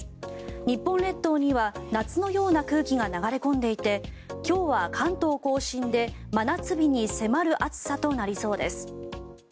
日本列島には夏のような空気が流れ込んでいて今日は関東・甲信で真夏日に迫る暑さとなりそうです。